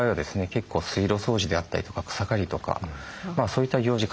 結構水路掃除であったりとか草刈りとかそういった行事